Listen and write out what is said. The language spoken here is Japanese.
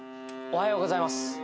おはようございます。